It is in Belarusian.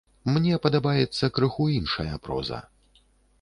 Мне падабаецца крыху іншая проза.